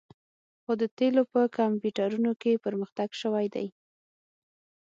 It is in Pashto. خو د تیلو په کمپیوټرونو کې پرمختګ شوی دی